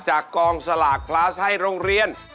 จากกองสลากพลัสให้โรงเรียน